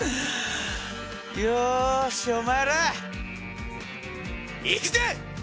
よしお前ら行くぜ！